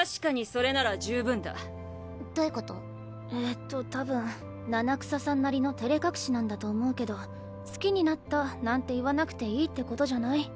えっとたぶん七草さんなりの照れ隠しなんだと思うけど「好きになった」なんて言わなくていいってことじゃない？